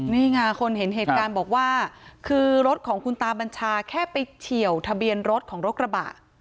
นี่ไงคนเห็นเหตุการณ์บอกว่าคือรถของคุณตาบัญชาแค่ไปเฉียวทะเบียนรถของรถกระบะ